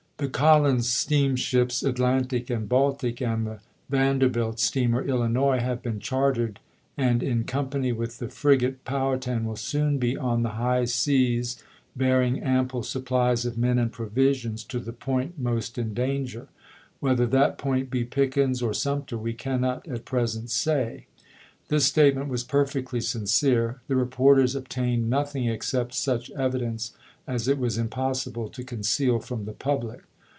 The Col lins steamships Atlantic and Baltic and the Van derbilt steamer Illinois have been chartered, and in company with the frigate Powhatan will soon be on Vol. IV.— 1 Z ABRAHAM LINCOLN Chap. I. the high seas bearing ample supplies of men and provisions to the point most in danger. Whether that point be Pickens or Sumter we cannot at present say." This statement was perfectly sin cere; the reporters obtained nothing except such evidence as it was impossible to conceal from the public.